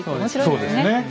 そうですねねっ。